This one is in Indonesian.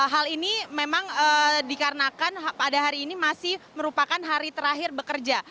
hal ini memang dikarenakan pada hari ini masih merupakan hari terakhir bekerja